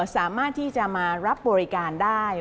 สามารถที่จะมารับบริการได้